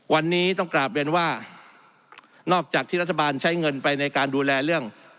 วันนี้ต้องกราบเรียนว่านอกจากที่รัฐบาลใช้เงินไปในการดูแลเรื่อง